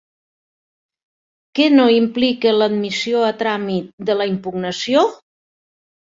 Què no implica l'admissió a tràmit de la impugnació?